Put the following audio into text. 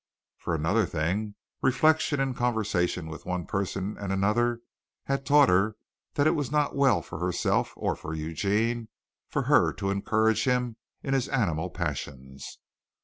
For another thing, reflection and conversation with one person and another had taught her that it was not well for herself or for Eugene for her to encourage him in his animal passions.